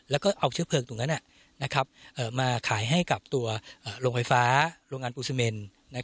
แล้วก็เอาเชื้อเพลิงตรงนั้นมาขายให้กับตัวโรงไฟฟ้าโรงงานปูซิเมน